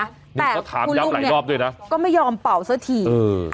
แต่คุณลุงเนี่ยก็ถามย้ำหลายรอบด้วยนะก็ไม่ยอมเป่าซะทีอืม